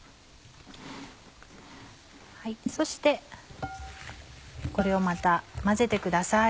そしてこれをまた混ぜてください。